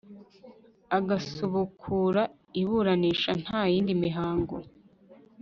agasubukura iburanisha Nta yindi mihango